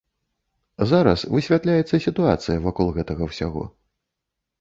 Зараз высвятляецца сітуацыя вакол гэтага ўсяго.